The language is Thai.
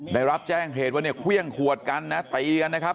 ได้รับแจ้งเหตุว่าเนี่ยเครื่องขวดกันนะตีกันนะครับ